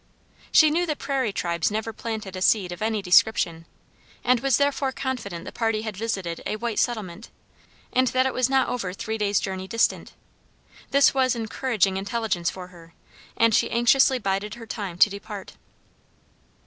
She knew the prairie tribes never planted a seed of any description, and was therefore confident the party had visited a white settlement, and that it was not over three days' journey distant. This was encouraging intelligence for her, and she anxiously bided her time to depart.